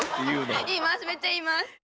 言います。